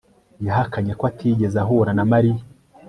yahakanye ko atigeze ahura na mariya